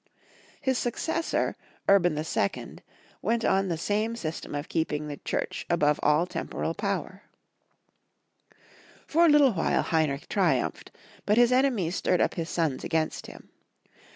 His successor. Urban II., went on the same system of keeping the Church above all temporal power. Heinrich V. 115 For a little while Heinrich triumphed, but his enemies stirred up his sons against him.